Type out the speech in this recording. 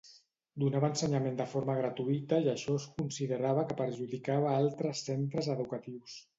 Donava ensenyament de forma gratuïta i això es considerava que perjudicava altres centres educatius.